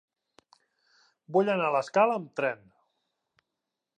Vull anar a l'Escala amb tren.